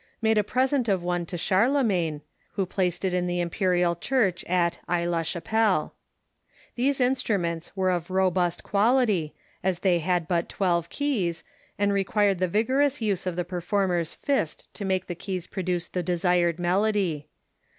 made a pi'esent of one to Charlemagne, who placed it in the imperial church at Aix la Chapelle. These instruments were of robust quality, as they had but twelve keys, and re quired the vigorous use of the performer's fist to make the keys produce the desired melody.